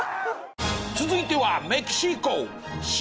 続いては。